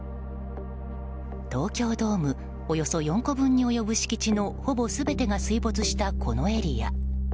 東京ドームおよそ４個分に及ぶ敷地のほぼ全てが水没したこのエリア。